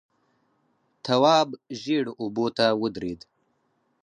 تواب ژېړو اوبو ته ودرېد.